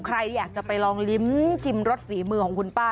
ใครอยากจะไปลองลิ้มชิมรสฝีมือของคุณป้า